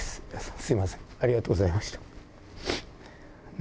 すみません、ありがとうございました。ね。